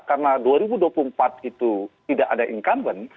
karena dua ribu dua puluh empat itu tidak ada incumbent